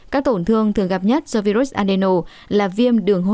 các tổn thương thường gặp nhất do virus adeno là viêm đường hồn